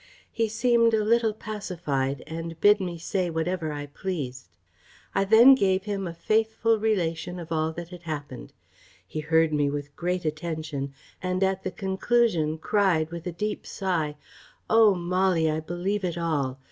"He seemed a little pacified, and bid me say whatever I pleased. "I then gave him a faithful relation of all that had happened. He heard me with great attention, and at the conclusion cried, with a deep sigh 'O Molly! I believe it all.